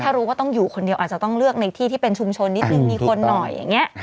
ถ้ารู้ว่าต้องอยู่คนเดียวอาจจะต้องเลือกในที่ที่เป็นชุมชนนิดนึงมีคนหน่อยอย่างนี้